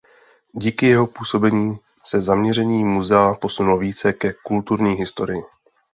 Díky jeho působení se zaměření muzea posunulo více ke kulturní historii.